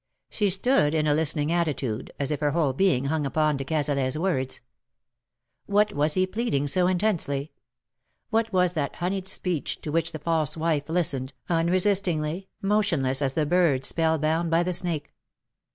She stood in a listening attitude, as if her whole being hung upon de Cazalet^s words. What was he pleading so intensely? What was that honeyed speech, to which the false wife listened, unresistingly, motionless as the bird spell bound by the snake.